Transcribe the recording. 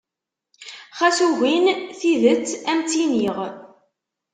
Xas ugiɣ, tidet ad m-tt-iniɣ.